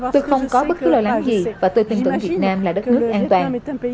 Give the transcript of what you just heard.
tôi không có bất cứ lo lắng gì và tôi tin tưởng việt nam là đất nước an toàn